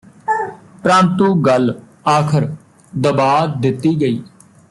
ਪਰੰਤੂ ਗੱਲ ਆਖਰ ਦਬਾ ਦਿੱਤੀ ਗਈ